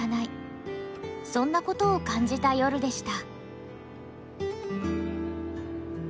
そんなことを感じた夜でした。